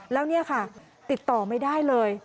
แล้วนี่ค่ะติดต่อไม่ได้เลย